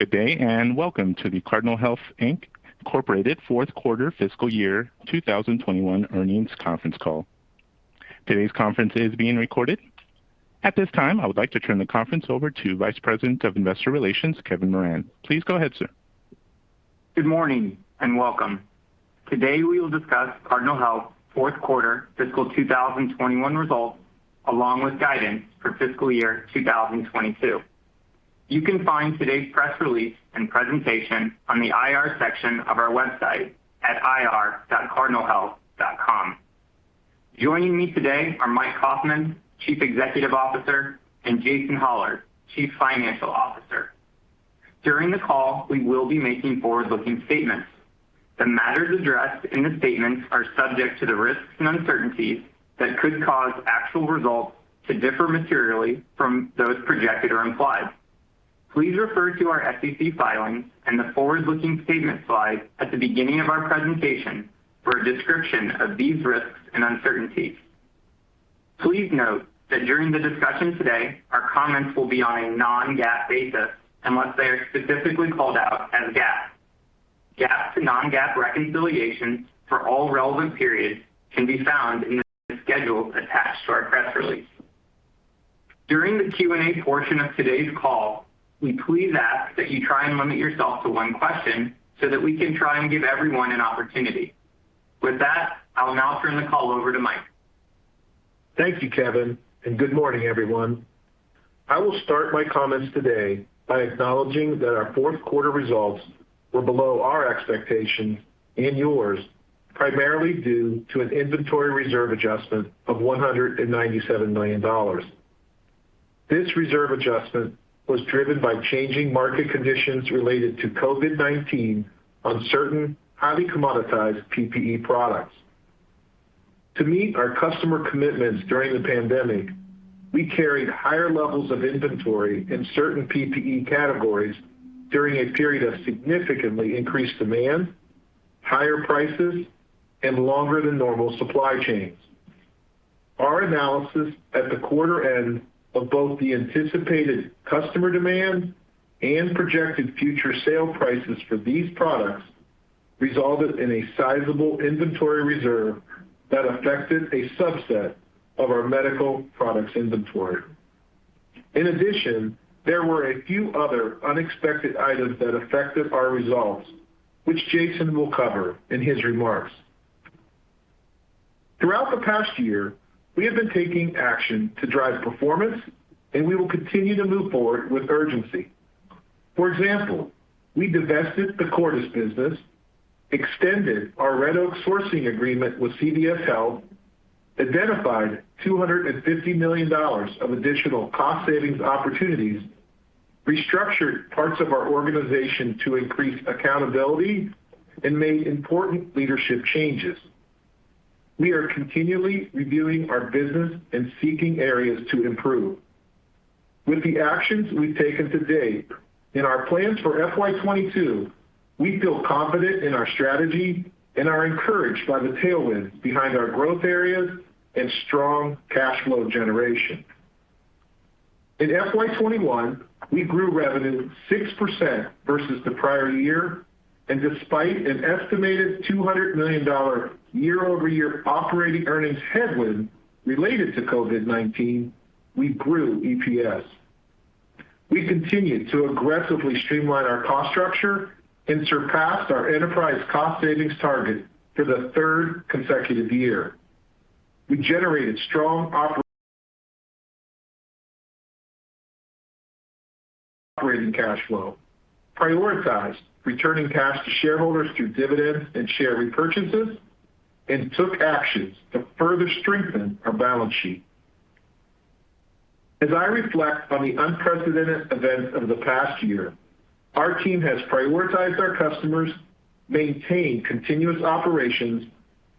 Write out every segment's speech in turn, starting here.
Welcome to the Cardinal Health, Inc. fourth quarter fiscal year 2021 earnings conference call. Today's conference is being recorded. At this time, I would like to turn the conference over to Vice President of Investor Relations, Kevin Moran. Please go ahead, sir. Good morning, and welcome. Today, we will discuss Cardinal Health fourth quarter fiscal 2021 results, along with guidance for fiscal year 2022. You can find today's press release and presentation on the IR section of our website at ir.cardinalhealth.com. Joining me today are Mike Kaufmann, Chief Executive Officer, and Jason Hollar, Chief Financial Officer. During the call, we will be making forward-looking statements. The matters addressed in the statements are subject to the risks and uncertainties that could cause actual results to differ materially from those projected or implied. Please refer to our SEC filings and the forward-looking statement slide at the beginning of our presentation for a description of these risks and uncertainties. Please note that during the discussion today, our comments will be on a non-GAAP basis unless they are specifically called out as GAAP. GAAP to non-GAAP reconciliations for all relevant periods can be found in the schedules attached to our press release. During the Q&A portion of today's call, we please ask that you try and limit yourself to one question so that we can try and give everyone an opportunity. With that, I'll now turn the call over to Mike. Thank you, Kevin. Good morning, everyone. I will start my comments today by acknowledging that our fourth quarter results were below our expectation and yours, primarily due to an inventory reserve adjustment of $197 million. This reserve adjustment was driven by changing market conditions related to COVID-19 on certain highly commoditized PPE products. To meet our customer commitments during the pandemic, we carried higher levels of inventory in certain PPE categories during a period of significantly increased demand, higher prices, and longer than normal supply chains. Our analysis at the quarter end of both the anticipated customer demand and projected future sale prices for these products resulted in a sizable inventory reserve that affected a subset of our medical products inventory. In addition, there were a few other unexpected items that affected our results, which Jason will cover in his remarks. Throughout the past year, we have been taking action to drive performance, and we will continue to move forward with urgency. For example, we divested the Cordis business, extended our Red Oak Sourcing agreement with CVS Health, identified $250 million of additional cost savings opportunities, restructured parts of our organization to increase accountability, and made important leadership changes. We are continually reviewing our business and seeking areas to improve. With the actions we've taken to date and our plans for FY 2022, we feel confident in our strategy and are encouraged by the tailwinds behind our growth areas and strong cash flow generation. In FY 2021, we grew revenue 6% versus the prior year, and despite an estimated $200 million year-over-year operating earnings headwind related to COVID-19, we grew EPS. We continued to aggressively streamline our cost structure and surpassed our enterprise cost savings target for the third consecutive year. We generated strong operating cash flow, prioritized returning cash to shareholders through dividends and share repurchases, and took actions to further strengthen our balance sheet. As I reflect on the unprecedented events of the past year, our team has prioritized our customers, maintained continuous operations,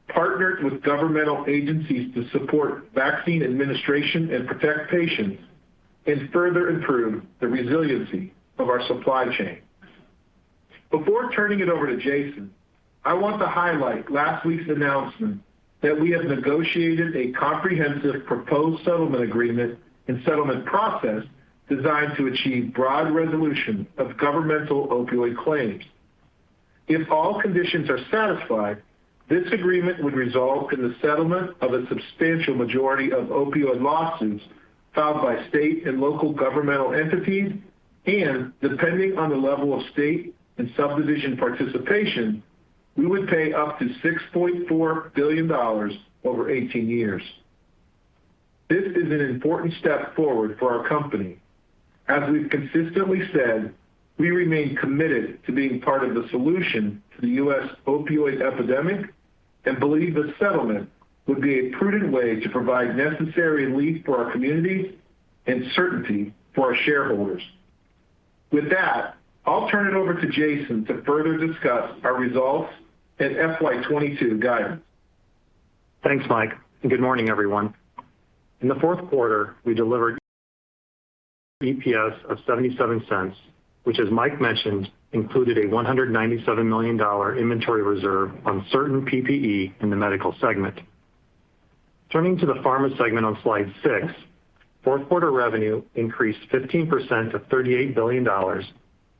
partnered with governmental agencies to support vaccine administration and protect patients, and further improved the resiliency of our supply chain. Before turning it over to Jason, I want to highlight last week's announcement that we have negotiated a comprehensive proposed settlement agreement and settlement process designed to achieve broad resolution of governmental opioid claims. If all conditions are satisfied, this agreement would result in the settlement of a substantial majority of opioid lawsuits filed by state and local governmental entities, and depending on the level of state and subdivision participation, we would pay up to $6.4 billion over 18 years. This is an important step forward for our company. As we've consistently said, we remain committed to being part of the solution to the U.S. opioid epidemic and believe a settlement would be a prudent way to provide necessary relief for our communities and certainty for our shareholders. With that, I'll turn it over to Jason to further discuss our results and FY 2022 guidance. Thanks, Mike, good morning, everyone. In the fourth quarter, we delivered EPS of $0.77, which, as Mike mentioned, included a $197 million inventory reserve on certain PPE in the Medical segment. Turning to the Pharma segment on slide 6, fourth quarter revenue increased 15% to $38 billion,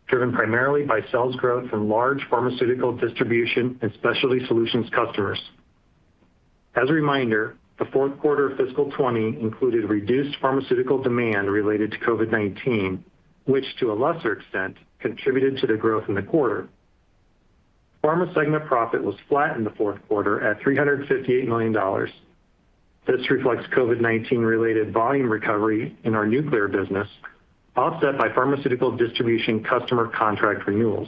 driven primarily by sales growth from large pharmaceutical distribution and specialty solutions customers. As a reminder, the fourth quarter of fiscal 2020 included reduced pharmaceutical demand related to COVID-19, which to a lesser extent, contributed to the growth in the quarter. Pharma segment profit was flat in the fourth quarter at $358 million. This reflects COVID-19 related volume recovery in our nuclear business, offset by pharmaceutical distribution customer contract renewals.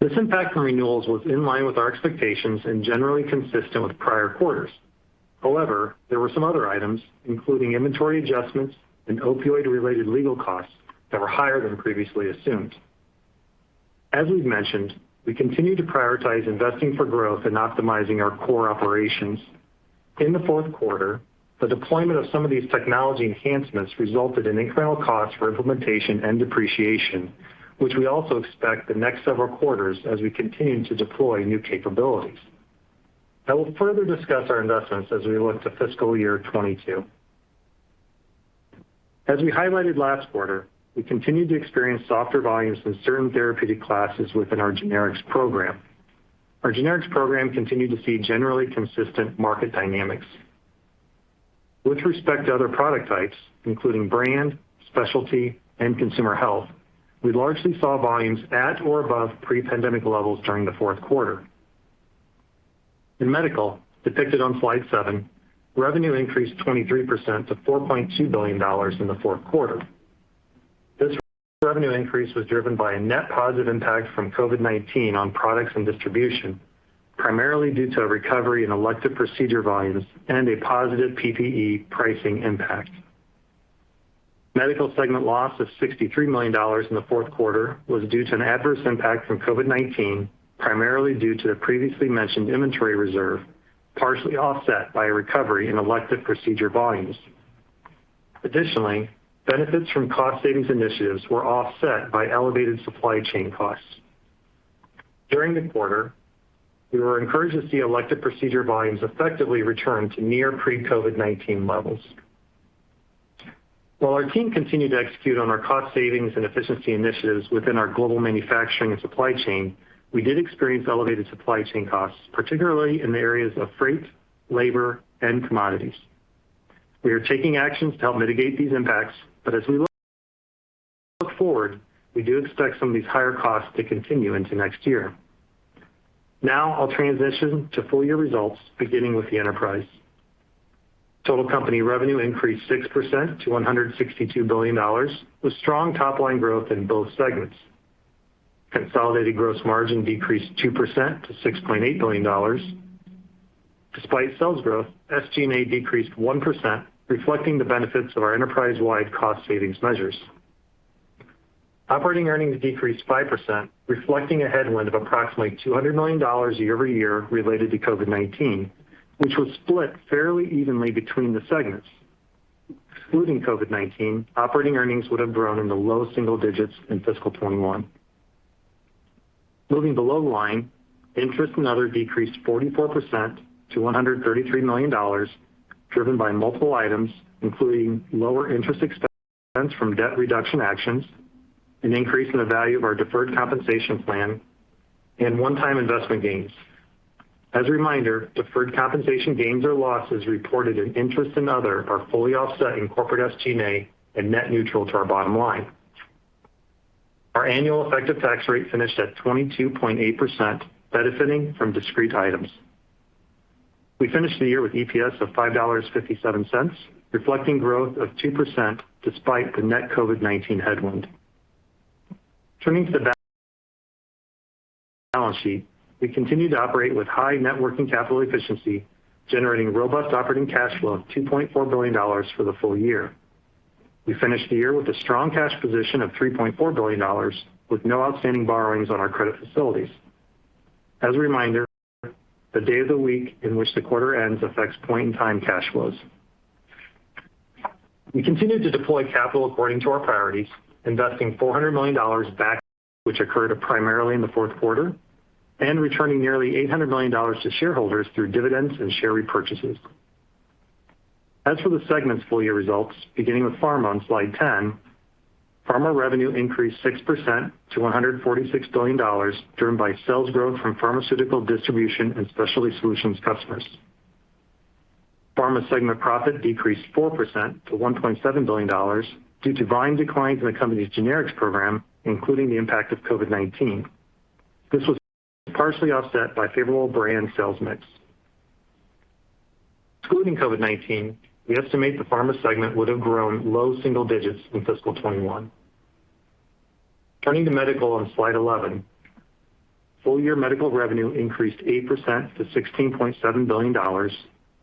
This impact from renewals was in line with our expectations and generally consistent with prior quarters. However, there were some other items, including inventory adjustments and opioid-related legal costs, that were higher than previously assumed. As we've mentioned, we continue to prioritize investing for growth and optimizing our core operations. In the fourth quarter, the deployment of some of these technology enhancements resulted in incremental costs for implementation and depreciation, which we also expect the next several quarters as we continue to deploy new capabilities. I will further discuss our investments as we look to fiscal year 2022. As we highlighted last quarter, we continued to experience softer volumes in certain therapeutic classes within our generics program. Our generics program continued to see generally consistent market dynamics. With respect to other product types, including brand, specialty, and consumer health, we largely saw volumes at or above pre-pandemic levels during the fourth quarter. In Medical, depicted on slide seven, revenue increased 23% to $4.2 billion in the fourth quarter. This revenue increase was driven by a net positive impact from COVID-19 on products and distribution, primarily due to a recovery in elective procedure volumes and a positive PPE pricing impact. Medical segment loss of $63 million in the fourth quarter was due to an adverse impact from COVID-19, primarily due to the previously mentioned inventory reserve, partially offset by a recovery in elective procedure volumes. Additionally, benefits from cost savings initiatives were offset by elevated supply chain costs. During the quarter, we were encouraged to see elective procedure volumes effectively return to near pre-COVID-19 levels. While our team continued to execute on our cost savings and efficiency initiatives within our global manufacturing and supply chain, we did experience elevated supply chain costs, particularly in the areas of freight, labor, and commodities. We are taking actions to help mitigate these impacts, but as we look forward, we do expect some of these higher costs to continue into next year. Now I'll transition to full-year results, beginning with the enterprise. Total company revenue increased 6% to $162 billion, with strong top-line growth in both segments. Consolidated gross margin decreased 2% to $6.8 billion. Despite sales growth, SG&A decreased 1%, reflecting the benefits of our enterprise-wide cost savings measures. Operating earnings decreased 5%, reflecting a headwind of approximately $200 million year-over-year related to COVID-19, which was split fairly evenly between the segments. Excluding COVID-19, operating earnings would have grown in the low single digits in fiscal 2021. Moving below the line, interest and other decreased 44% to $133 million, driven by multiple items, including lower interest expense from debt reduction actions, an increase in the value of our deferred compensation plan, and one-time investment gains. As a reminder, deferred compensation gains or losses reported in interest and other are fully offset in corporate SG&A and net neutral to our bottom line. Our annual effective tax rate finished at 22.8%, benefiting from discrete items. We finished the year with EPS of $5.57, reflecting growth of 2% despite the net COVID-19 headwind. Turning to the balance sheet, we continue to operate with high net working capital efficiency, generating robust operating cash flow of $2.4 billion for the full year. We finished the year with a strong cash position of $3.4 billion, with no outstanding borrowings on our credit facilities. As a reminder, the day of the week in which the quarter ends affects point-in-time cash flows. We continued to deploy capital according to our priorities, investing $400 million back, which occurred primarily in the fourth quarter, and returning nearly $800 million to shareholders through dividends and share repurchases. As for the segment's full year results, beginning with Pharma on slide 10, Pharma revenue increased 6% to $146 billion, driven by sales growth from pharmaceutical distribution and specialty solutions customers. Pharma segment profit decreased 4% to $1.7 billion due to volume declines in the company's generics program, including the impact of COVID-19. This was partially offset by favorable brand sales mix. Excluding COVID-19, we estimate the Pharma segment would have grown low single digits in FY 2021. Turning to Medical on slide 11. Full year medical revenue increased 8% to $16.7 billion,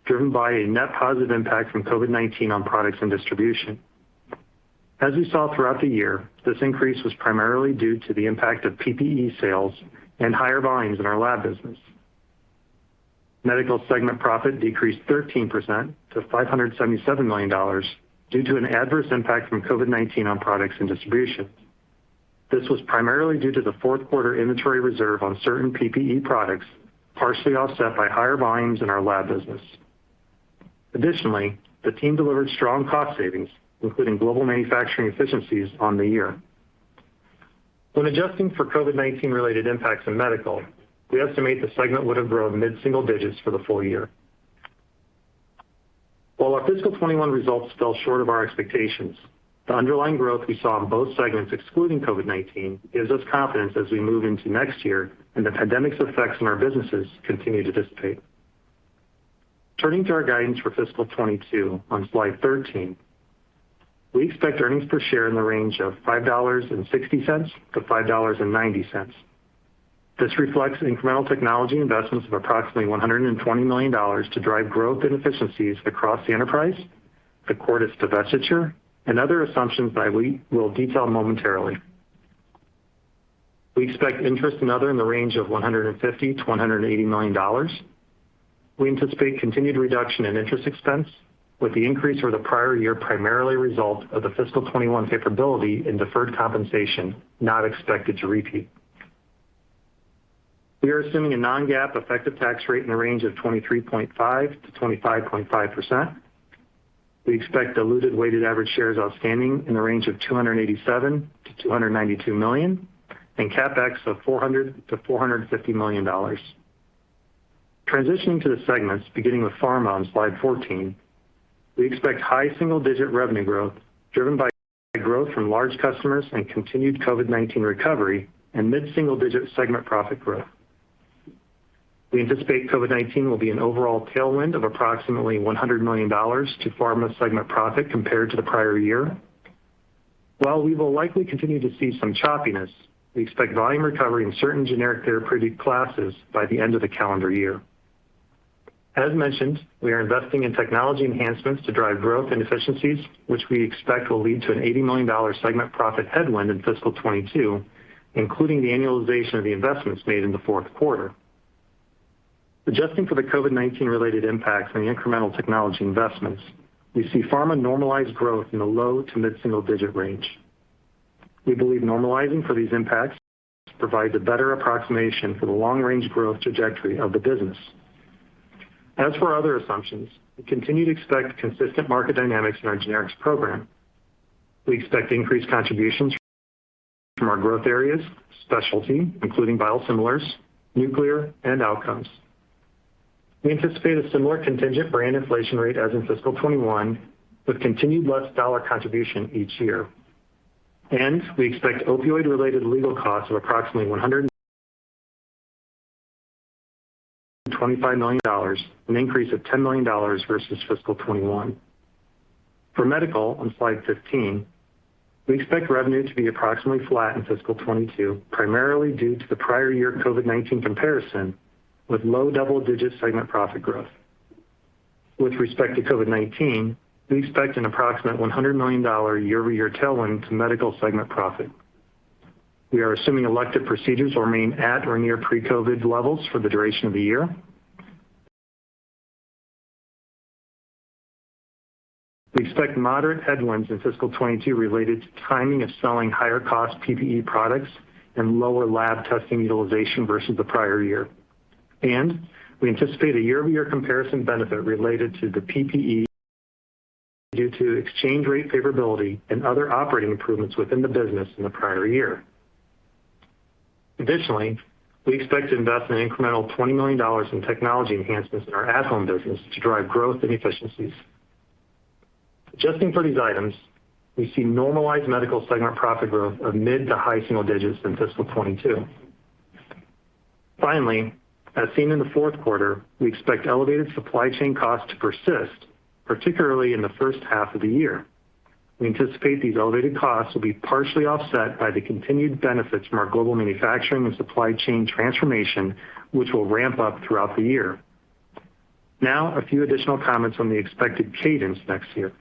driven by a net positive impact from COVID-19 on products and distribution. As we saw throughout the year, this increase was primarily due to the impact of PPE sales and higher volumes in our lab business. Medical Segment Profit decreased 13% to $577 million due to an adverse impact from COVID-19 on products and distribution. This was primarily due to the fourth quarter inventory reserve on certain PPE products, partially offset by higher volumes in our lab business. The team delivered strong cost savings, including global manufacturing efficiencies on the year. When adjusting for COVID-19 related impacts in medical, we estimate the segment would have grown mid-single digits for the full year. While our fiscal 2021 results fell short of our expectations, the underlying growth we saw in both segments excluding COVID-19 gives us confidence as we move into next year and the pandemic's effects on our businesses continue to dissipate. Turning to our guidance for fiscal 2022 on slide 13. We expect earnings per share in the range of $5.60-$5.90. This reflects incremental technology investments of approximately $120 million to drive growth and efficiencies across the enterprise, the Cordis divestiture, and other assumptions that we will detail momentarily. We expect interest in other in the range of $150 million-$180 million. We anticipate continued reduction in interest expense with the increase or the prior year primarily result of the fiscal 2021 favorability in deferred compensation not expected to repeat. We are assuming a non-GAAP effective tax rate in the range of 23.5%-25.5%. We expect diluted weighted average shares outstanding in the range of 287 million-292 million, and CapEx of $400 million-$450 million. Transitioning to the segments beginning with Pharma on slide 14. We expect high single-digit revenue growth driven by growth from large customers and continued COVID-19 recovery and mid-single digit segment profit growth. We anticipate COVID-19 will be an overall tailwind of approximately $100 million to Pharma segment profit compared to the prior year. While we will likely continue to see some choppiness, we expect volume recovery in certain generic therapeutic classes by the end of the calendar year. As mentioned, we are investing in technology enhancements to drive growth and efficiencies, which we expect will lead to an $80 million segment profit headwind in fiscal 2022, including the annualization of the investments made in the fourth quarter. Adjusting for the COVID-19 related impacts on the incremental technology investments, we see pharma normalized growth in the low to mid-single digit range. We believe normalizing for these impacts provides a better approximation for the long-range growth trajectory of the business. As for other assumptions, we continue to expect consistent market dynamics in our generics program. We expect increased contributions from our growth areas, specialty, including biosimilars, nuclear, and outcomes. We anticipate a similar contingent brand inflation rate as in fiscal 2021, with continued less dollar contribution each year. We expect opioid-related legal costs of approximately $125 million, an increase of $10 million versus fiscal 2021. For medical on slide 15, we expect revenue to be approximately flat in fiscal 2022, primarily due to the prior year COVID-19 comparison with low double-digit segment profit growth. With respect to COVID-19, we expect an approximate $100 million year-over-year tailwind to medical segment profit. We are assuming elective procedures will remain at or near pre-COVID levels for the duration of the year. We expect moderate headwinds in FY 2022 related to timing of selling higher cost PPE products and lower lab testing utilization versus the prior year. We anticipate a year-over-year comparison benefit related to the PPE due to exchange rate favorability and other operating improvements within the business in the prior year. Additionally, we expect to invest an incremental $20 million in technology enhancements in our at-home business to drive growth and efficiencies. Adjusting for these items, we see normalized medical segment profit growth of mid to high single digits in FY 2022. Finally, as seen in the fourth quarter, we expect elevated supply chain costs to persist, particularly in the first half of the year. We anticipate these elevated costs will be partially offset by the continued benefits from our global manufacturing and supply chain transformation, which will ramp up throughout the year. A few additional comments on the expected cadence next year.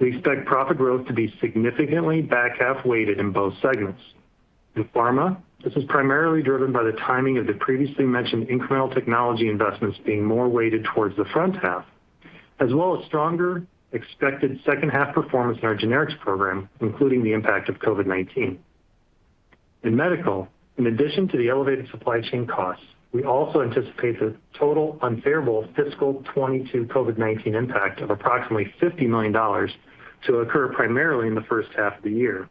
We expect profit growth to be significantly back-half weighted in both segments. In Pharma, this is primarily driven by the timing of the previously mentioned incremental technology investments being more weighted towards the front half, as well as stronger expected second half performance in our generics program, including the impact of COVID-19. In Medical, in addition to the elevated supply chain costs, we also anticipate the total unfavorable fiscal 2022 COVID-19 impact of approximately $50 million to occur primarily in the first half of the year.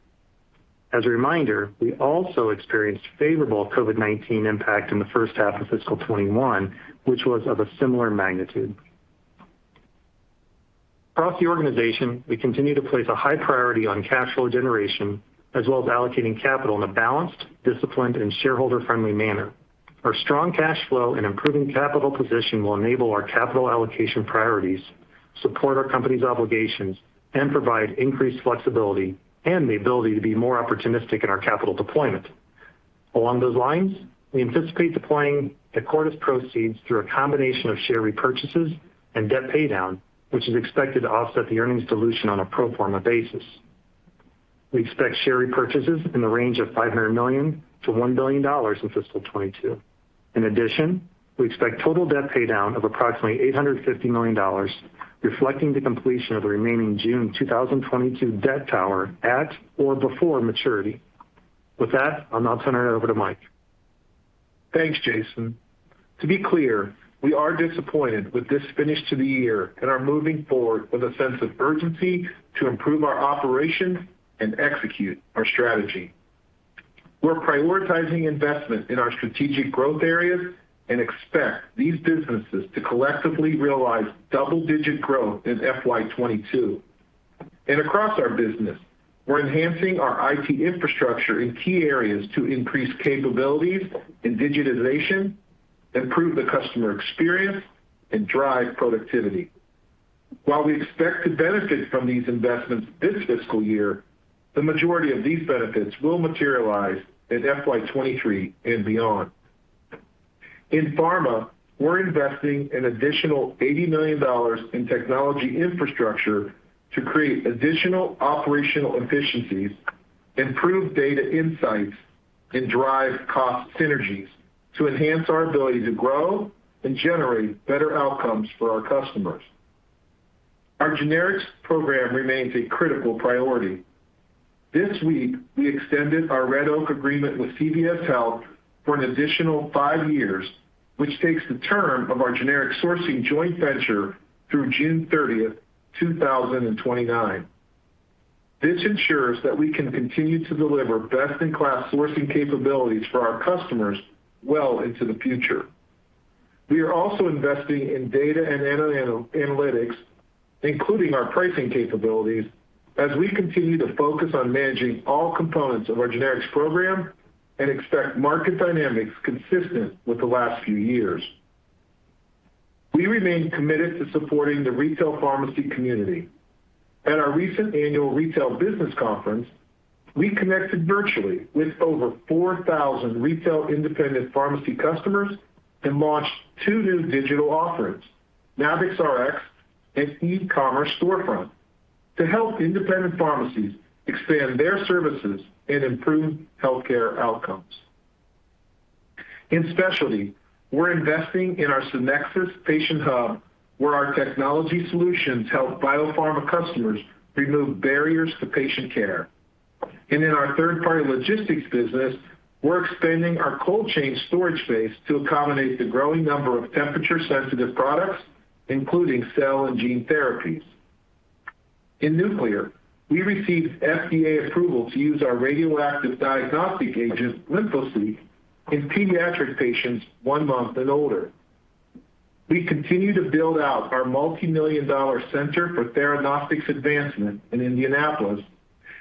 As a reminder, we also experienced favorable COVID-19 impact in the first half of fiscal 2021, which was of a similar magnitude. Across the organization, we continue to place a high priority on cash flow generation, as well as allocating capital in a balanced, disciplined, and shareholder-friendly manner. Our strong cash flow and improving capital position will enable our capital allocation priorities, support our company's obligations, and provide increased flexibility and the ability to be more opportunistic in our capital deployment. Along those lines, we anticipate deploying the Cordis proceeds through a combination of share repurchases and debt paydown, which is expected to offset the earnings dilution on a pro forma basis. We expect share repurchases in the range of $0.5 billion-$1 billion in FY 2022. In addition, we expect total debt paydown of approximately $850 million, reflecting the completion of the remaining June 2022 debt tower at or before maturity. With that, I'll now turn it over to Mike. Thanks, Jason. To be clear, we are disappointed with this finish to the year and are moving forward with a sense of urgency to improve our operations and execute our strategy. We're prioritizing investment in our strategic growth areas and expect these businesses to collectively realize double-digit growth in FY 2022. Across our business, we're enhancing our IT infrastructure in key areas to increase capabilities and digitization, improve the customer experience, and drive productivity. While we expect to benefit from these investments this fiscal year, the majority of these benefits will materialize in FY 2023 and beyond. In pharma, we're investing an additional $80 million in technology infrastructure to create additional operational efficiencies, improve data insights, and drive cost synergies to enhance our ability to grow and generate better outcomes for our customers. Our generics program remains a critical priority. This week, we extended our Red Oak agreement with CVS Health for an additional five years, which takes the term of our generic sourcing joint venture through June 30th, 2029. This ensures that we can continue to deliver best-in-class sourcing capabilities for our customers well into the future. We are also investing in data and analytics, including our pricing capabilities, as we continue to focus on managing all components of our generics program and expect market dynamics consistent with the last few years. We remain committed to supporting the retail pharmacy community. At our recent annual retail business conference, we connected virtually with over 4,000 retail independent pharmacy customers and launched two new digital offerings, NavixRx and E-Commerce Storefront, to help independent pharmacies expand their services and improve healthcare outcomes. In specialty, we're investing in our Sonexus patient hub, where our technology solutions help biopharma customers remove barriers to patient care. In our third-party logistics business, we're expanding our cold chain storage space to accommodate the growing number of temperature-sensitive products, including cell and gene therapies. In nuclear, we received FDA approval to use our radioactive diagnostic agent, LYMPHOSEEK, in pediatric patients one month and older. We continue to build out our multimillion-dollar Center for Theranostics Advancement in Indianapolis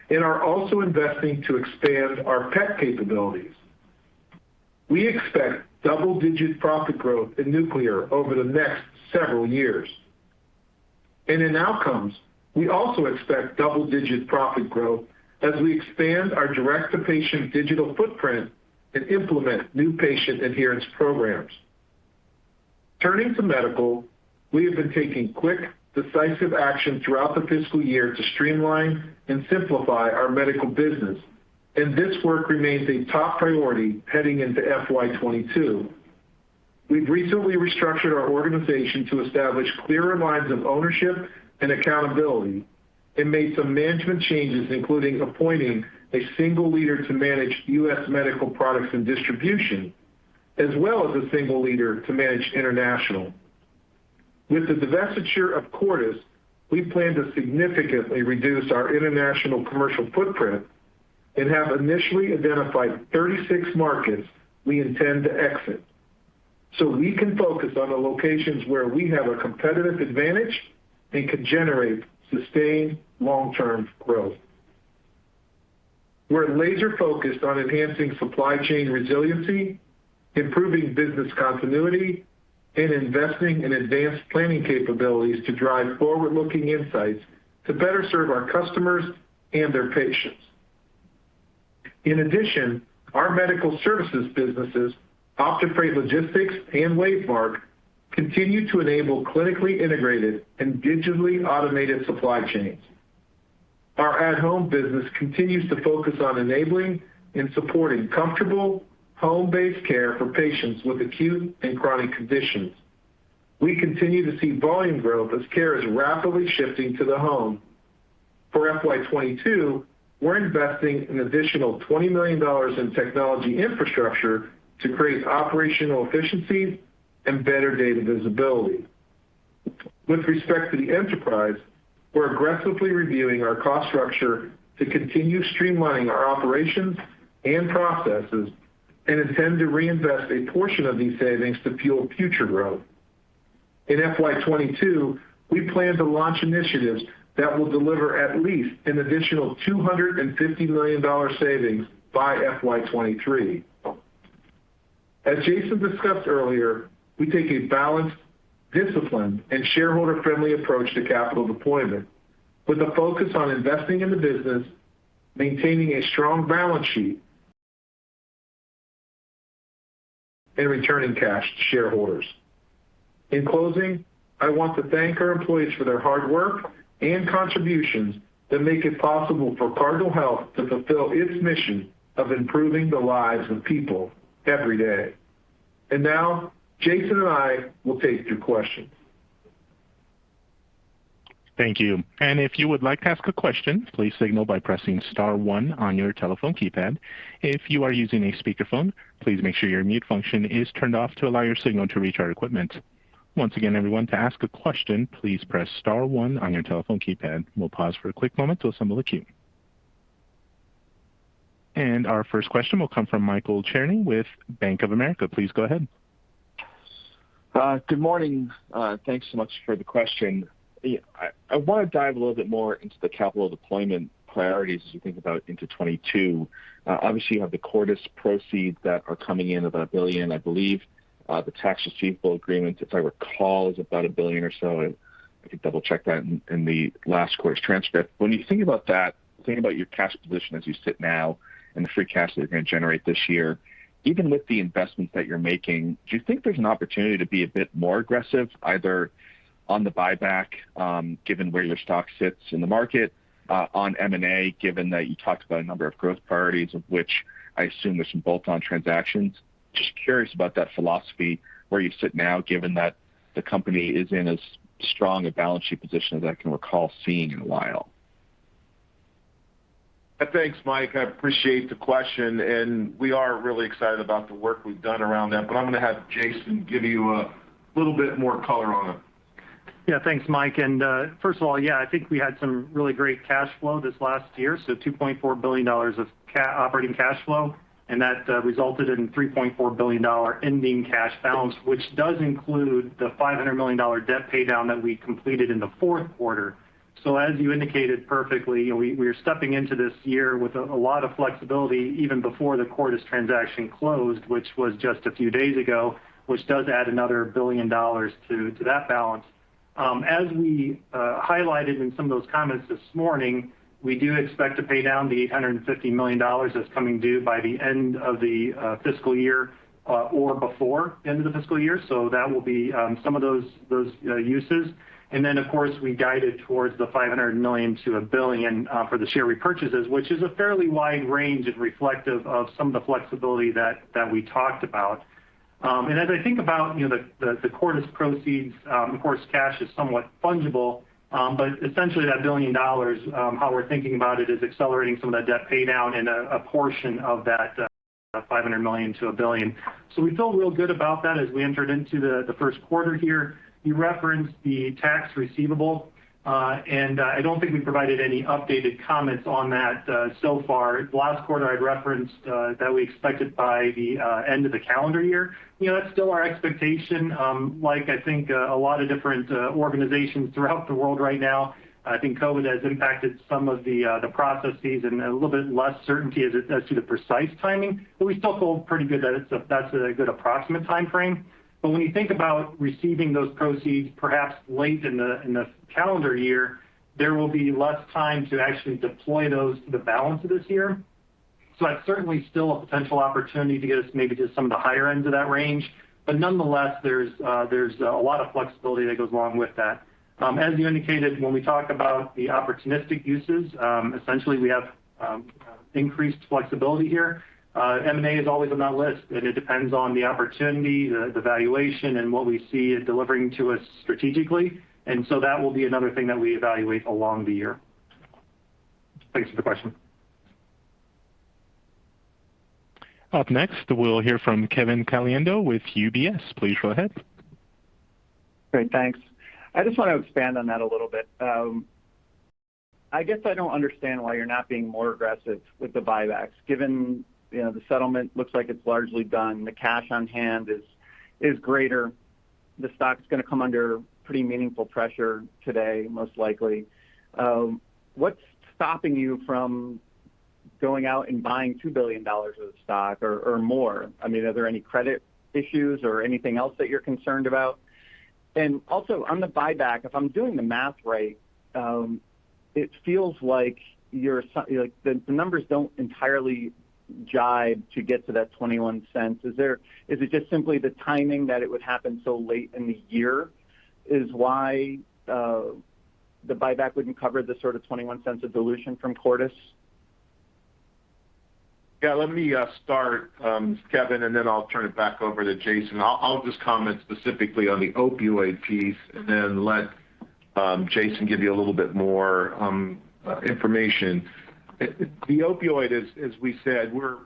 and are also investing to expand our PET capabilities. We expect double-digit profit growth in nuclear over the next several years. In outcomes, we also expect double-digit profit growth as we expand our direct-to-patient digital footprint and implement new patient adherence programs. Turning to medical, we have been taking quick, decisive action throughout the fiscal year to streamline and simplify our medical business, and this work remains a top priority heading into FY 2022. We've recently restructured our organization to establish clearer lines of ownership and accountability and made some management changes, including appointing a single leader to manage U.S. medical products and distribution, as well as a single leader to manage international. With the divestiture of Cordis, we plan to significantly reduce our international commercial footprint and have initially identified 36 markets we intend to exit so we can focus on the locations where we have a competitive advantage and can generate sustained long-term growth. We're laser-focused on enhancing supply chain resiliency, improving business continuity, and investing in advanced planning capabilities to drive forward-looking insights to better serve our customers and their patients. Our medical services businesses, OptiFreight Logistics and WaveMark, continue to enable clinically integrated and digitally automated supply chains. Our at-home business continues to focus on enabling and supporting comfortable home-based care for patients with acute and chronic conditions. We continue to see volume growth as care is rapidly shifting to the home. For FY 2022, we're investing an additional $20 million in technology infrastructure to create operational efficiencies and better data visibility. With respect to the enterprise, we're aggressively reviewing our cost structure to continue streamlining our operations and processes and intend to reinvest a portion of these savings to fuel future growth. In FY 2022, we plan to launch initiatives that will deliver at least an additional $250 million savings by FY 2023. As Jason discussed earlier, we take a balanced, disciplined, and shareholder-friendly approach to capital deployment with a focus on investing in the business, maintaining a strong balance sheet, and returning cash to shareholders. In closing, I want to thank our employees for their hard work and contributions that make it possible for Cardinal Health to fulfill its mission of improving the lives of people every day. Now Jason and I will take your questions. Thank you. And if you would like to ask a question, please signal by pressing star one on your telephone keypad. If you are using a speakerphone, please make sure your mute function is turned off to allow your signal to reach our equipment. Once again, everyone, to ask a question, please press star one on your telephone keypad. We'll pause for a quick moment to assemble the queue. Our first question will come from Michael Cherny with Bank of America. Please go ahead. Good morning. Thanks so much for the question. I want to dive a little bit more into the capital deployment priorities as you think about into 2022. Obviously, you have the Cordis proceeds that are coming in about $1 billion. I believe, the tax receivable agreement, if I recall, is about $1 billion or so. I could double-check that in the last quarter's transcript. When you think about that, think about your cash position as you sit now and the free cash that you're going to generate this year, even with the investments that you're making, do you think there's an opportunity to be a bit more aggressive either on the buyback, given where your stock sits in the market, on M&A, given that you talked about a number of growth priorities, of which I assume there's some bolt-on transactions? Curious about that philosophy, where you sit now, given that the company is in as strong a balance sheet position as I can recall seeing in a while. Thanks, Mike. I appreciate the question, and we are really excited about the work we've done around that. I'm going to have Jason give you a little bit more color on it. Yeah. Thanks, Mike. First of all, yeah, I think we had some really great cash flow this last year, so $2.4 billion of operating cash flow, and that resulted in $3.4 billion ending cash balance, which does include the $500 million debt paydown that we completed in the fourth quarter. As you indicated perfectly, we're stepping into this year with a lot of flexibility even before the Cordis transaction closed, which was just a few days ago, which does add another $1 billion to that balance. As we highlighted in some of those comments this morning, we do expect to pay down the $850 million that's coming due by the end of the fiscal year or before the end of the fiscal year. That will be some of those uses. Then, of course, we guided towards the $0.5 billion-$1 billion for the share repurchases, which is a fairly wide range and reflective of some of the flexibility that we talked about. As I think about the Cordis proceeds, of course, cash is somewhat fungible. Essentially, that $1 billion, how we're thinking about it is accelerating some of that debt paydown and a portion of that $0.5 billion-$1 billion. We feel real good about that as we entered into the first quarter here. You referenced the tax receivable, and I don't think we provided any updated comments on that so far. Last quarter, I referenced that we expect it by the end of the calendar year. That's still our expectation. Like I think a lot of different organizations throughout the world right now, I think COVID-19 has impacted some of the processes and a little bit less certainty as to the precise timing. We still feel pretty good that that's a good approximate timeframe. When you think about receiving those proceeds perhaps late in the calendar year, there will be less time to actually deploy those to the balance of this year. That's certainly still a potential opportunity to get us maybe to some of the higher ends of that range. Nonetheless, there's a lot of flexibility that goes along with that. As you indicated, when we talk about the opportunistic uses, essentially we have increased flexibility here. M&A is always on that list, and it depends on the opportunity, the valuation, and what we see it delivering to us strategically, and so that will be another thing that we evaluate along the year. Thanks for the question. Up next, we'll hear from Kevin Caliendo with UBS. Please go ahead. Great. Thanks. I just want to expand on that a little bit. I guess I don't understand why you're not being more aggressive with the buybacks, given the settlement looks like it's largely done. The cash on hand is greater. The stock's going to come under pretty meaningful pressure today, most likely. What's stopping you from going out and buying $2 billion of stock or more? Are there any credit issues or anything else that you're concerned about? Also, on the buyback, if I'm doing the math right, it feels like the numbers don't entirely jibe to get to that $0.21. Is it just simply the timing that it would happen so late in the year is why the buyback wouldn't cover the sort of $0.21 of dilution from Cordis? Yeah, let me start, Kevin, and then I'll turn it back over to Jason. I'll just comment specifically on the opioid piece and then let Jason give you a little bit more information. The opioid, as we said, we're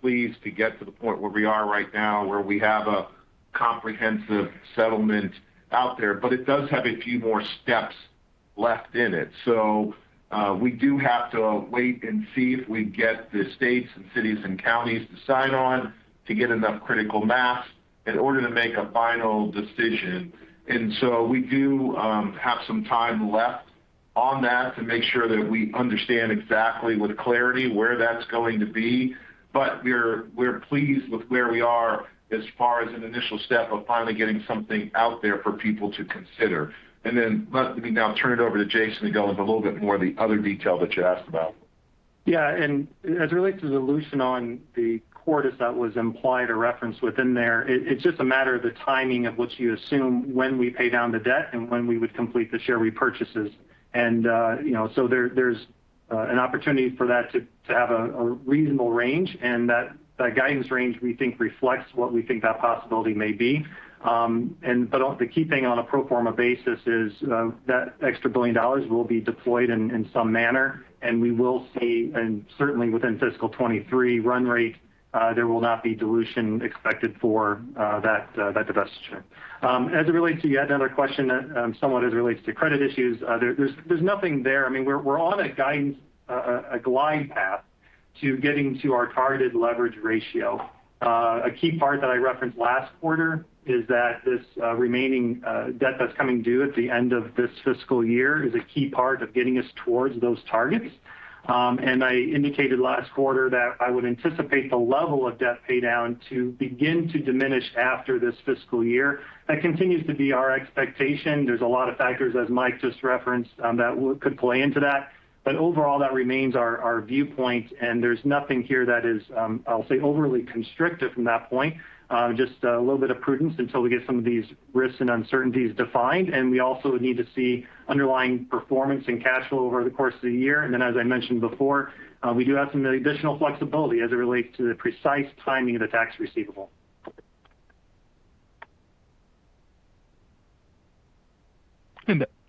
pleased to get to the point where we are right now where we have a comprehensive settlement out there, but it does have a few more steps left in it. We do have to wait and see if we get the states and cities and counties to sign on to get enough critical mass in order to make a final decision. We do have some time left on that to make sure that we understand exactly with clarity where that's going to be. We're pleased with where we are as far as an initial step of finally getting something out there for people to consider. Let me now turn it over to Jason to go into a little bit more of the other detail that you asked about. Yeah. As it relates to dilution on the quarters that was implied or referenced within there, it's just a matter of the timing of which you assume when we pay down the debt and when we would complete the share repurchases. So there's an opportunity for that to have a reasonable range, and that guidance range, we think, reflects what we think that possibility may be. The key thing on a pro forma basis is that extra $1 billion will be deployed in some manner, and we will see, and certainly within fiscal 2023 run rate, there will not be dilution expected for that divestiture. As it relates to yet another question, somewhat as it relates to credit issues, there's nothing there. We're on a glide path to getting to our targeted leverage ratio. A key part that I referenced last quarter is that this remaining debt that's coming due at the end of this fiscal year is a key part of getting us towards those targets. I indicated last quarter that I would anticipate the level of debt paydown to begin to diminish after this fiscal year. That continues to be our expectation. There's a lot of factors, as Mike just referenced, that could play into that. Overall, that remains our viewpoint, and there's nothing here that is, I'll say, overly constrictive from that point. Just a little bit of prudence until we get some of these risks and uncertainties defined, and we also need to see underlying performance and cash flow over the course of the year. As I mentioned before, we do have some additional flexibility as it relates to the precise timing of the tax receivable.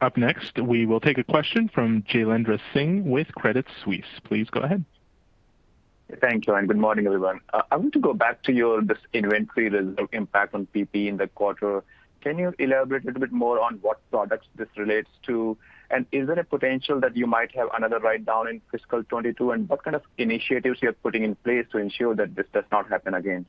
Up next, we will take a question from Jailendra Singh with Credit Suisse. Please go ahead. Thank you, and good morning, everyone. I want to go back to your inventory reserve impact on PPE in the quarter. Can you elaborate a little bit more on what products this relates to? Is there a potential that you might have another write-down in fiscal 2022? What kind of initiatives you are putting in place to ensure that this does not happen again?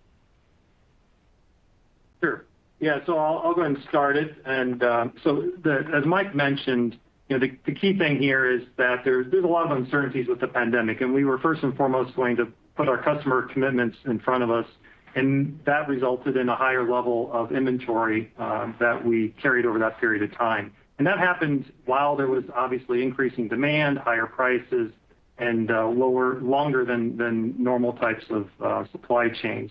Sure. Yeah. I'll go ahead and start it. As Mike mentioned, the key thing here is that there's a lot of uncertainties with the pandemic, and we were first and foremost going to put our customer commitments in front of us, and that resulted in a higher level of inventory that we carried over that period of time. That happened while there was obviously increasing demand, higher prices, and longer than normal types of supply chains.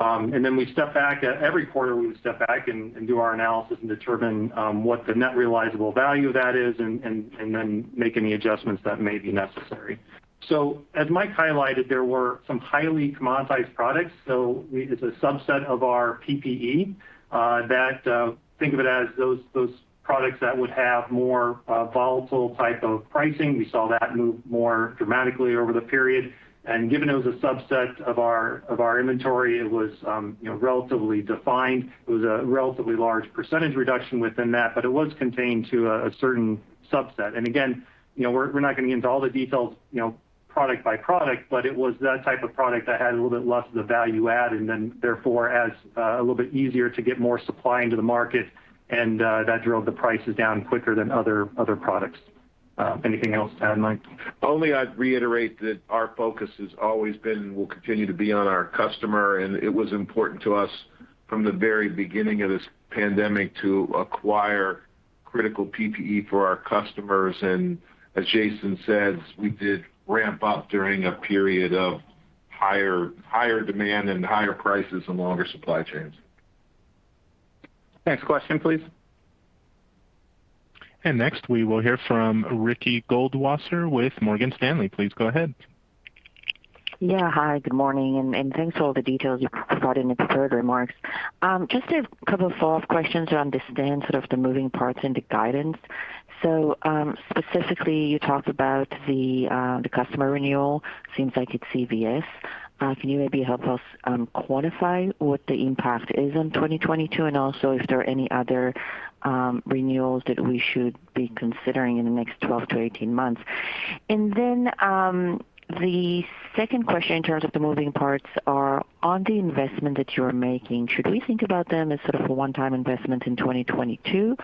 Every quarter, we would step back and do our analysis and determine what the net realizable value of that is, and then make any adjustments that may be necessary. As Mike highlighted, there were some highly commoditized products. It's a subset of our PPE that, think of it as those products that would have more volatile type of pricing. We saw that move more dramatically over the period. Given it was a subset of our inventory, it was relatively defined. It was a relatively large percentage reduction within that, but it was contained to a certain subset. Again, we're not getting into all the details, product by product, but it was that type of product that had a little bit less of the value add, and then therefore, a little bit easier to get more supply into the market, and that drove the prices down quicker than other products. Anything else to add, Mike? Only I'd reiterate that our focus has always been, and will continue to be on our customer, and it was important to us from the very beginning of this pandemic to acquire critical PPE for our customers. As Jason says, we did ramp up during a period of higher demand and higher prices and longer supply chains. Next question, please. Next we will hear from Ricky Goldwasser with Morgan Stanley. Please go ahead. Yeah. Hi, good morning, and thanks for all the details you provided in the prepared remarks. Just a couple of follow-up questions to understand sort of the moving parts in the guidance. Specifically, you talked about the customer renewal. Seems like it's CVS. Can you maybe help us quantify what the impact is on 2022, and also if there are any other renewals that we should be considering in the next 12 months-18 months? The second question in terms of the moving parts are on the investment that you're making, should we think about them as sort of a one-time investment in 2022,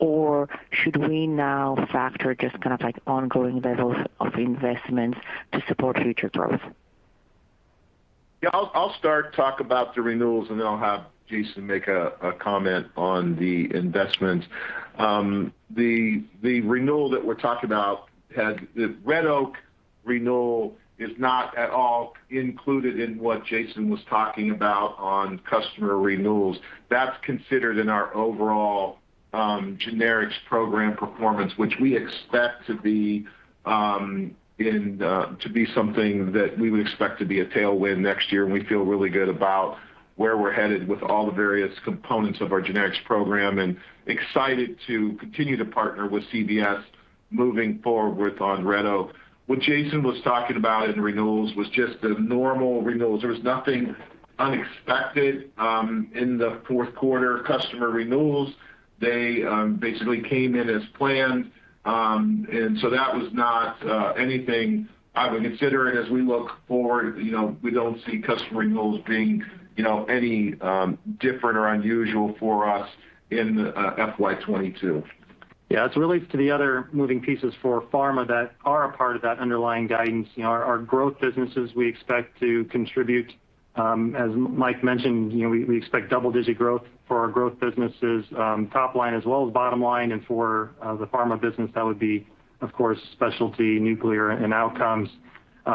or should we now factor just kind of like ongoing levels of investments to support future growth? Yeah. I'll start to talk about the renewals, and then I'll have Jason make a comment on the investment. The renewal that we're talking about, the Red Oak renewal is not at all included in what Jason was talking about on customer renewals. That's considered in our overall generics program performance, which we expect to be something that we would expect to be a tailwind next year, and we feel really good about where we're headed with all the various components of our generics program, and excited to continue to partner with CVS moving forward on Red Oak. What Jason was talking about in renewals was just the normal renewals. There was nothing unexpected in the fourth quarter customer renewals. They basically came in as planned. That was not anything I would consider as we look forward. We don't see customer renewals being any different or unusual for us in FY 2022. Yeah. As it relates to the other moving pieces for pharma that are a part of that underlying guidance, our growth businesses we expect to contribute. As Mike mentioned, we expect double-digit growth for our growth businesses, top line as well as bottom line, and for the pharma business, that would be, of course, specialty, nuclear, and outcomes. We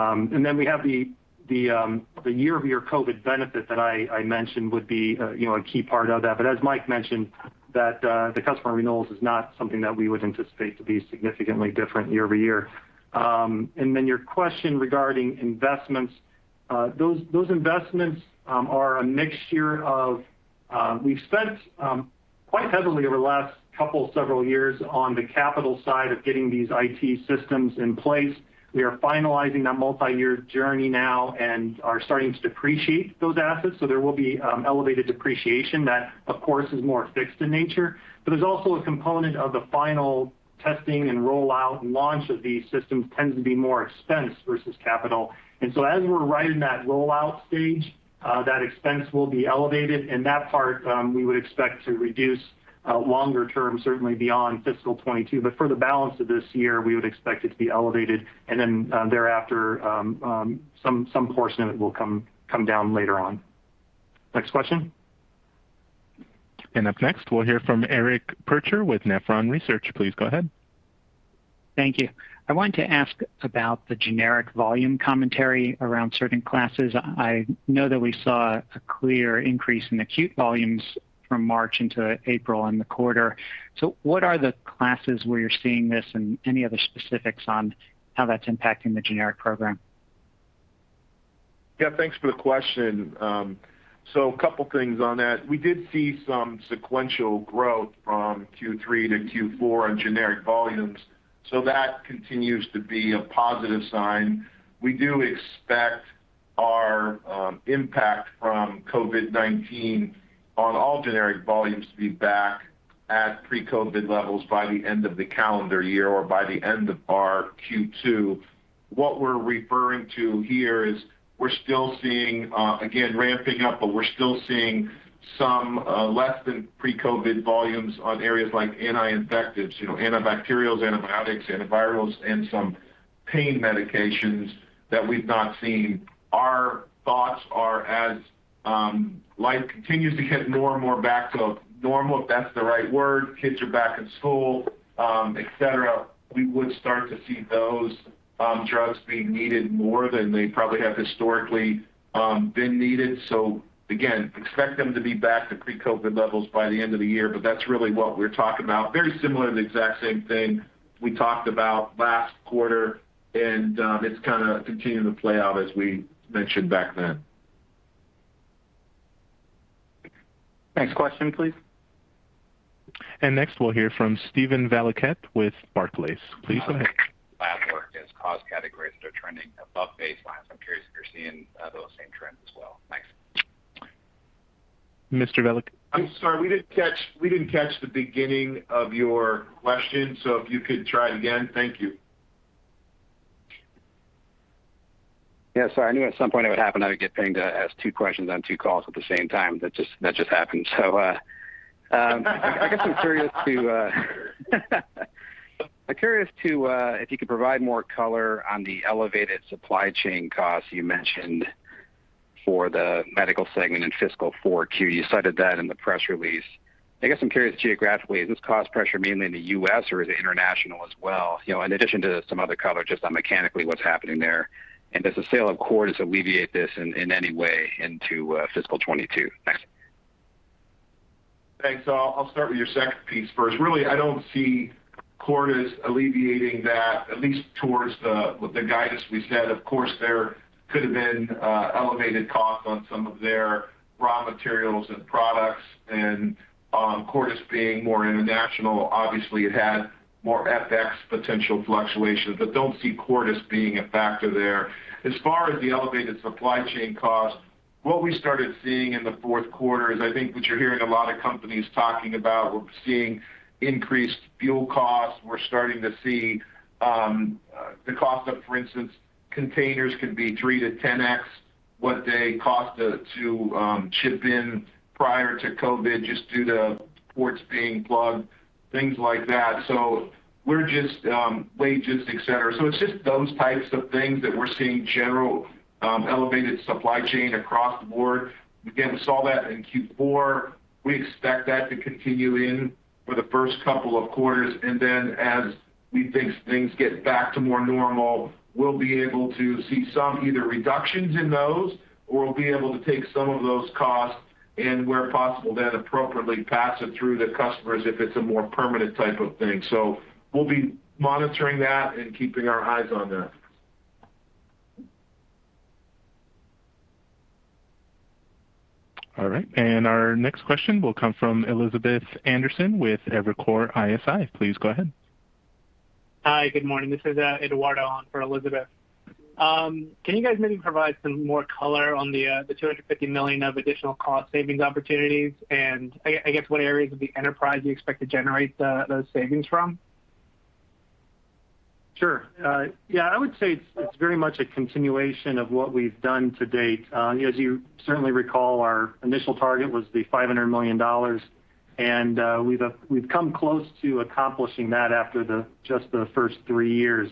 have the year-over-year COVID-19 benefit that I mentioned would be a key part of that. As Mike mentioned, that the customer renewals is not something that we would anticipate to be significantly different year-over-year. Your question regarding investments. We've spent quite heavily over the last couple several years on the capital side of getting these IT systems in place. We are finalizing that multi-year journey now and are starting to depreciate those assets. There will be elevated depreciation that, of course, is more fixed in nature. There is also a component of the final testing and rollout and launch of these systems tends to be more expense versus capital. As we're right in that rollout stage, that expense will be elevated. That part, we would expect to reduce longer term, certainly beyond fiscal 2022. For the balance of this year, we would expect it to be elevated. Thereafter, some portion of it will come down later on. Next question. Up next, we'll hear from Eric Percher with Nephron Research. Please go ahead. Thank you. I wanted to ask about the generic volume commentary around certain classes. I know that we saw a clear increase in acute volumes from March into April in the quarter. What are the classes where you're seeing this and any other specifics on how that's impacting the generic program? Yeah, thanks for the question. A couple things on that. We did see some sequential growth from Q3 to Q4 on generic volumes. That continues to be a positive sign. We do expect our impact from COVID-19 on all generic volumes to be back at pre-COVID levels by the end of the calendar year or by the end of our Q2. What we're referring to here is we're still seeing, again, ramping up, but we're still seeing some less than pre-COVID volumes on areas like anti-infectives, antibacterials, antibiotics, antivirals, and some pain medications that we've not seen. Our thoughts are as life continues to get more and more back to normal, if that's the right word, kids are back in school, et cetera, we would start to see those drugs being needed more than they probably have historically been needed. Again, expect them to be back to pre-COVID levels by the end of the year. That's really what we're talking about. Very similar to the exact same thing we talked about last quarter, and it's kind of continuing to play out as we mentioned back then. Next question, please. Next, we'll hear from Steven Valiquette with Barclays. Please go ahead. class work as cost categories that are trending above baseline. I'm curious if you're seeing those same trends as well. Thanks. Mr. Valiquette. I'm sorry, we didn't catch the beginning of your question, so if you could try it again. Thank you. Yeah, sorry. I knew at some point it would happen. I would get pinged to ask two questions on two calls at the same time. That just happened. I guess I'm curious if you could provide more color on the elevated supply chain costs you mentioned for the medical segment in fiscal 4Q. You cited that in the press release. I guess I'm curious geographically, is this cost pressure mainly in the U.S. or is it international as well? In addition to some other color just on mechanically what's happening there. Does the sale of Cordis alleviate this in any way into fiscal 2022? Thanks. Thanks. I'll start with your second piece first. Really, I don't see Cordis alleviating that, at least towards the guidance we said. Of course, there could have been elevated costs on some of their raw materials and products. Cordis being more international, obviously, it had more FX potential fluctuations. Don't see Cordis being a factor there. As far as the elevated supply chain cost, what we started seeing in the fourth quarter is I think what you're hearing a lot of companies talking about. We're seeing increased fuel costs. We're starting to see the cost of, for instance, containers could be 3x-10x what they cost to ship in prior to COVID, just due to ports being plugged, things like that. Wages, et cetera. It's just those types of things that we're seeing general elevated supply chain across the board. We saw that in Q4. We expect that to continue in for the first couple of quarters, as we think things get back to more normal, we'll be able to see some either reductions in those, or we'll be able to take some of those costs and where possible, then appropriately pass it through to customers if it's a more permanent type of thing. We'll be monitoring that and keeping our eyes on that. All right. Our next question will come from Elizabeth Anderson with Evercore ISI. Please go ahead. Hi, good morning. This is Eduardo on for Elizabeth. Can you guys maybe provide some more color on the $250 million of additional cost savings opportunities? I guess what areas of the enterprise you expect to generate those savings from? Sure. Yeah, I would say it's very much a continuation of what we've done to date. As you certainly recall, our initial target was the $500 million. We've come close to accomplishing that after just the first three years.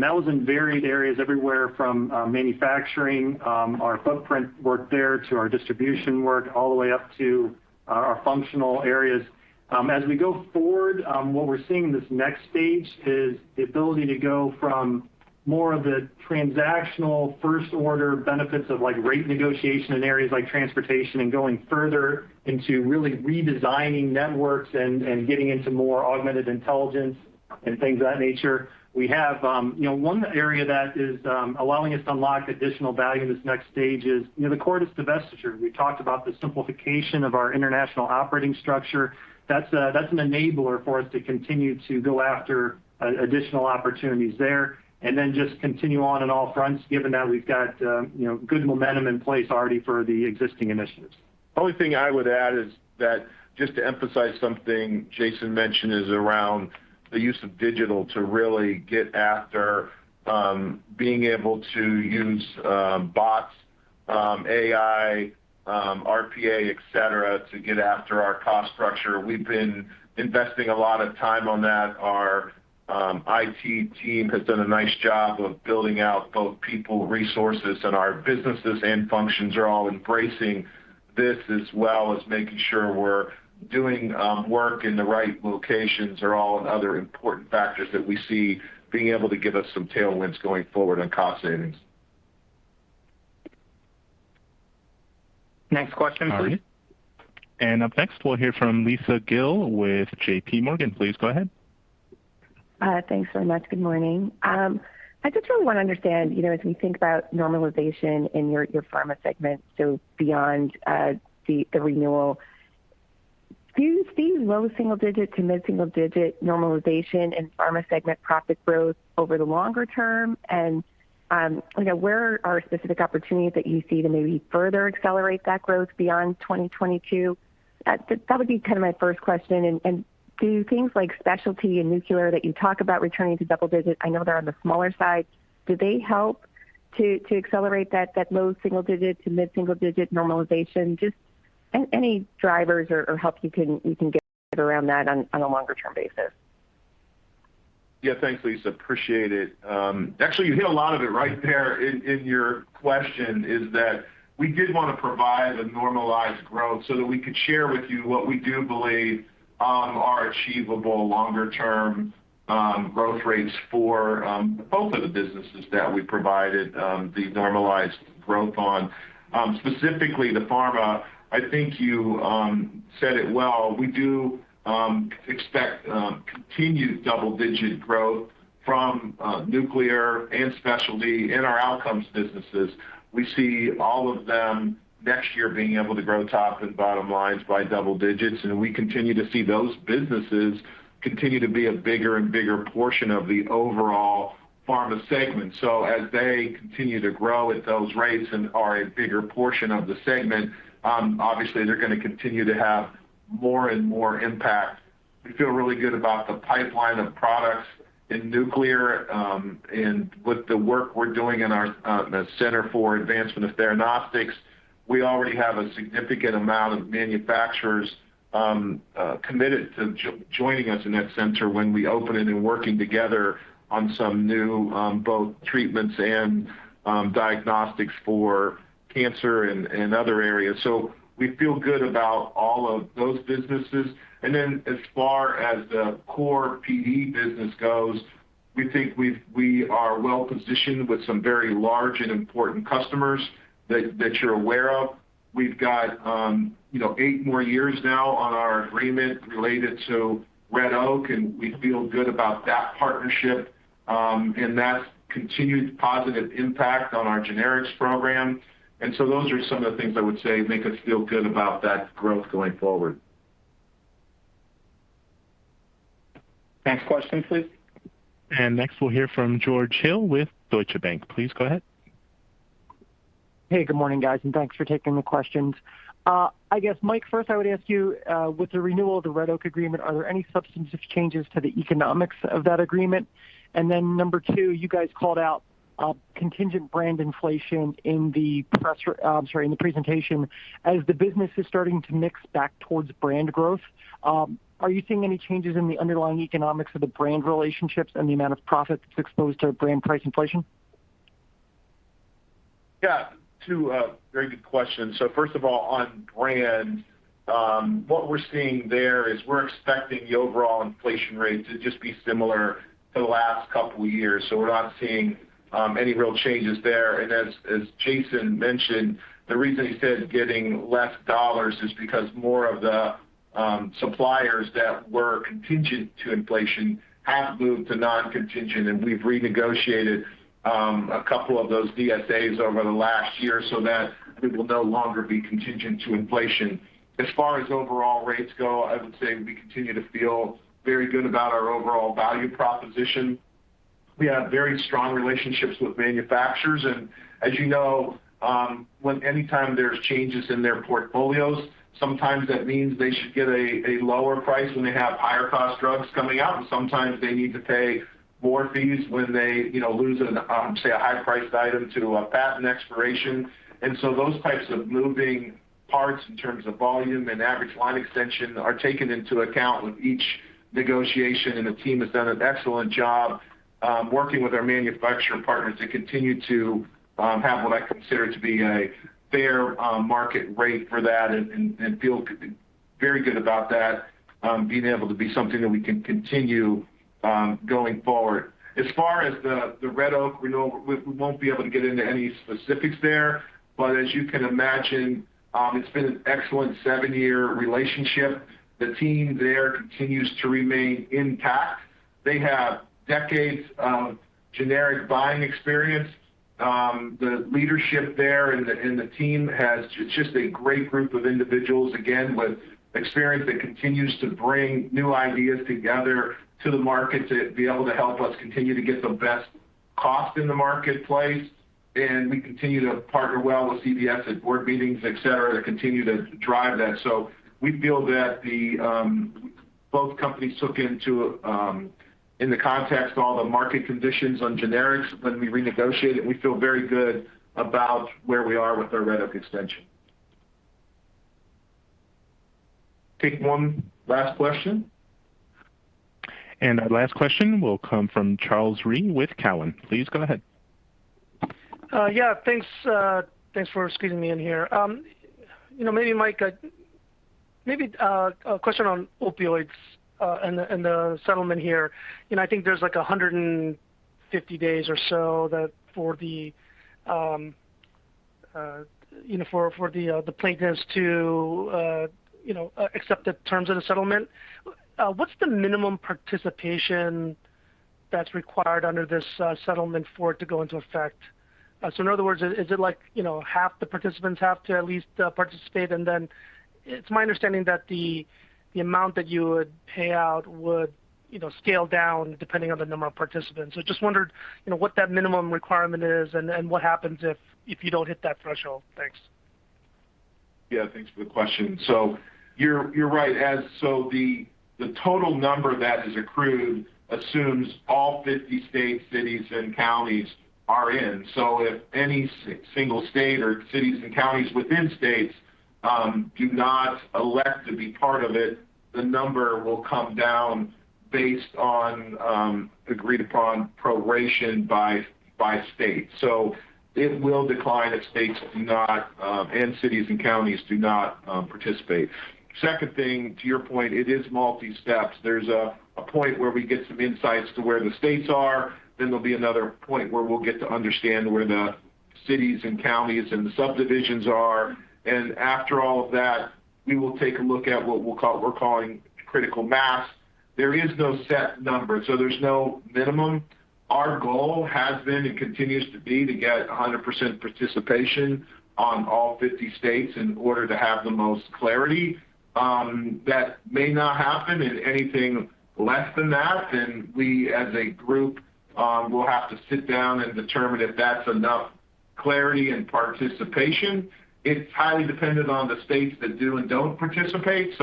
That was in varied areas, everywhere from manufacturing, our footprint work there to our distribution work, all the way up to our functional areas. As we go forward, what we're seeing in this next stage is the ability to go from more of the transactional first-order benefits of rate negotiation in areas like transportation and going further into really redesigning networks and getting into more augmented intelligence and things of that nature. We have one area that is allowing us to unlock additional value in this next stage is the Cordis divestiture. We talked about the simplification of our international operating structure. That's an enabler for us to continue to go after additional opportunities there, and then just continue on in all fronts, given that we've got good momentum in place already for the existing initiatives. The only thing I would add is that just to emphasize something Jason mentioned is around the use of digital to really get after being able to use bots, AI, RPA, et cetera, to get after our cost structure. We've been investing a lot of time on that. Our IT team has done a nice job of building out both people, resources, and our businesses and functions are all embracing this, as well as making sure we're doing work in the right locations are all other important factors that we see being able to give us some tailwinds going forward on cost savings. Next question, please. All right. Up next, we'll hear from Lisa Gill with JPMorgan. Please go ahead. Thanks so much. Good morning. I just really want to understand, as we think about normalization in your Pharma segment, so beyond the renewal, do you see low single-digit to mid-single-digit normalization in Pharma segment profit growth over the longer term? Where are specific opportunities that you see to maybe further accelerate that growth beyond 2022? That would be my first question. Do things like Specialty and Nuclear that you talk about returning to double-digit, I know they're on the smaller side, do they help to accelerate that low single-digit to mid-single-digit normalization? Just any drivers or help you can get around that on a longer term basis. Yeah, thanks, Lisa. Appreciate it. Actually, you hit a lot of it right there in your question, is that we did want to provide a normalized growth so that we could share with you what we do believe are achievable longer-term growth rates for both of the businesses that we provided the normalized growth on. Specifically the Pharma, I think you said it well, we do expect continued double-digit growth from Nuclear and Specialty in our Outcomes businesses. We see all of them next year being able to grow top and bottom lines by double digits, and we continue to see those businesses continue to be a bigger and bigger portion of the overall Pharma segment. As they continue to grow at those rates and are a bigger portion of the segment, obviously, they're going to continue to have more and more impact. We feel really good about the pipeline of products in nuclear. With the work we're doing in the Center for Theranostics Advancement, we already have a significant amount of manufacturers committed to joining us in that center when we open it, and working together on some new both treatments and diagnostics for cancer and other areas. We feel good about all of those businesses. As far as the core PD business goes, we think we are well positioned with some very large and important customers that you're aware of. We've got eight more years now on our agreement related to Red Oak, and we feel good about that partnership, and that's continued positive impact on our generics program. Those are some of the things I would say make us feel good about that growth going forward. Next question, please. Next we'll hear from George Hill with Deutsche Bank. Please go ahead. Hey, good morning, guys. Thanks for taking the questions. I guess, Mike, first I would ask you, with the renewal of the Red Oak agreement, are there any substantive changes to the economics of that agreement? Number two, you guys called out contingent brand inflation in the presentation. As the business is starting to mix back towards brand growth, are you seeing any changes in the underlying economics of the brand relationships and the amount of profit that's exposed to brand price inflation? Yeah. Two very good questions. First of all, on brand, what we're seeing there is we're expecting the overall inflation rate to just be similar to the last couple of years. We're not seeing any real changes there. As Jason mentioned, the reason he said getting less dollars is because more of the suppliers that were contingent to inflation have moved to non-contingent, and we've renegotiated a couple of those DSAs over the last year so that we will no longer be contingent to inflation. As far as overall rates go, I would say we continue to feel very good about our overall value proposition. We have very strong relationships with manufacturers. As you know, anytime there's changes in their portfolios, sometimes that means they should get a lower price when they have higher-cost drugs coming out, and sometimes they need to pay more fees when they lose, say, a high-priced item to a patent expiration. Those types of moving parts in terms of volume and average line extension are taken into account with each negotiation, and the team has done an excellent job working with our manufacturer partners to continue to have what I consider to be a fair market rate for that and feel very good about that, being able to be something that we can continue going forward. As far as the Red Oak, we know we won't be able to get into any specifics there, but as you can imagine, it's been an excellent seven-year relationship. The team there continues to remain intact. They have decades of generic buying experience. The leadership there and the team, it's just a great group of individuals, again, with experience that continues to bring new ideas together to the market to be able to help us continue to get the best cost in the marketplace. We continue to partner well with CVS at board meetings, et cetera, to continue to drive that. We feel that both companies look into, in the context of all the market conditions on generics when we renegotiate it, we feel very good about where we are with our Red Oak extension. Take one last question. Our last question will come from Charles Rhyee with Cowen. Please go ahead. Thanks for squeezing me in here. Maybe a question on opioids and the settlement here. I think there's 150 days or so for the plaintiffs to accept the terms of the settlement. What's the minimum participation that's required under this settlement for it to go into effect? In other words, is it like half the participants have to at least participate? It's my understanding that the amount that you would pay out would scale down depending on the number of participants. Just wondered what that minimum requirement is and what happens if you don't hit that threshold. Thanks. Yeah, thanks for the question. You're right. The total number that is accrued assumes all 50 states, cities, and counties are in. If any single state or cities and counties within states do not elect to be part of it, the number will come down based on agreed-upon proration by state. It will decline if states and cities and counties do not participate. Second thing, to your point, it is multi-steps. There's a point where we get some insights to where the states are, then there'll be another point where we'll get to understand where the cities and counties and the subdivisions are. After all of that, we will take a look at what we're calling critical mass. There is no set number, so there's no minimum. Our goal has been and continues to be to get 100% participation on all 50 states in order to have the most clarity. That may not happen, and anything less than that, then we, as a group, will have to sit down and determine if that's enough clarity and participation. It's highly dependent on the states that do and don't participate.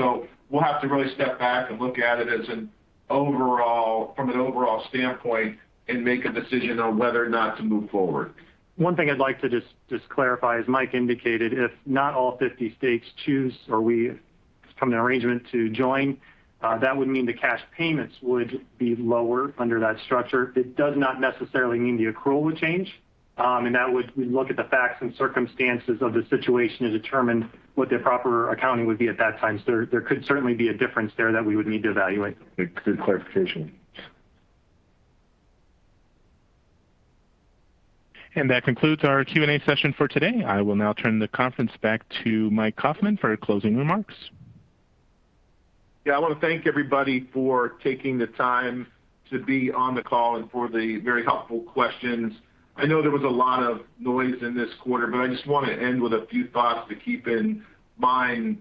We'll have to really step back and look at it from an overall standpoint and make a decision on whether or not to move forward. One thing I'd like to just clarify, as Mike indicated, if not all 50 states choose or we come to an arrangement to join, that would mean the cash payments would be lower under that structure. It does not necessarily mean the accrual would change. We look at the facts and circumstances of the situation to determine what the proper accounting would be at that time. There could certainly be a difference there that we would need to evaluate. Good clarification. That concludes our Q&A session for today. I will now turn the conference back to Mike Kaufmann for closing remarks. Yeah, I want to thank everybody for taking the time to be on the call and for the very helpful questions. I know there was a lot of noise in this quarter, but I just want to end with a few thoughts to keep in mind.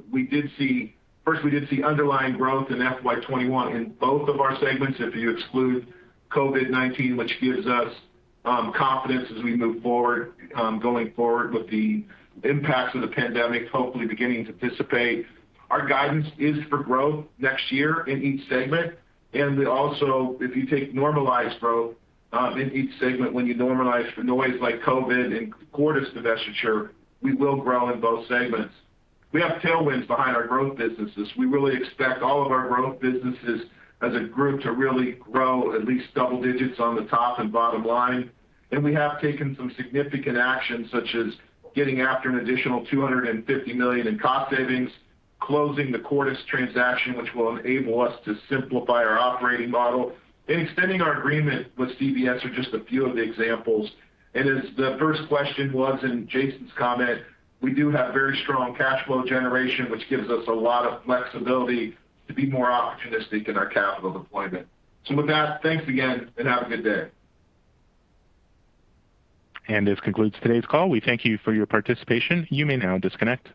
First, we did see underlying growth in FY 2021 in both of our segments, if you exclude COVID-19, which gives us confidence as we move forward, going forward with the impacts of the pandemic hopefully beginning to dissipate. Our guidance is for growth next year in each segment. Also, if you take normalized growth in each segment, when you normalize for noise like COVID-19 and Cordis divestiture, we will grow in both segments. We have tailwinds behind our growth businesses. We really expect all of our growth businesses as a group to really grow at least double digits on the top and bottom line. We have taken some significant actions, such as getting after an additional $250 million in cost savings, closing the Cordis transaction, which will enable us to simplify our operating model, and extending our agreement with CVS are just a few of the examples. As the first question was in Jason's comment, we do have very strong cash flow generation, which gives us a lot of flexibility to be more opportunistic in our capital deployment. With that, thanks again, and have a good day. This concludes today's call. We thank you for your participation. You may now disconnect.